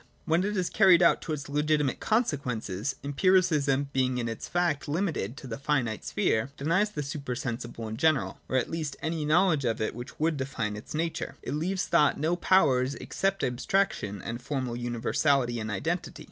When it is carried out to its legitimate consequences. Empiricism — being in its facts limited to the finite sphere — denies the super sensible in general, or at least any knowledge of it which would define its nature; it leaves thought no powers except abstraction and formal universality and identity.